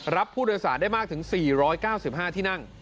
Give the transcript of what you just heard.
รับผู้โดยสารได้มากถึง๔๙๕ที่นั่ง